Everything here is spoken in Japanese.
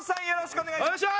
お願いします！